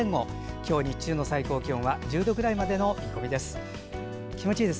今日日中の最高気温は１０度くらいまでの見込みです。